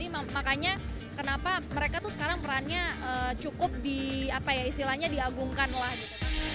makanya kenapa mereka tuh sekarang perannya cukup di apa ya istilahnya diagungkan lah gitu